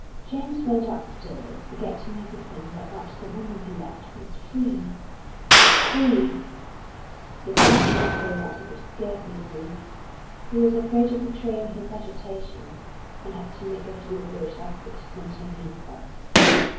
James went upstairs, forgetting everything but that the woman he loved was free free! His heart beat so that he could scarcely breathe; he was afraid of betraying his agitation, and had to make a deliberate effort to contain himself.